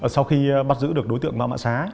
sau khi bắt giữ được đối tượng mã mạng xá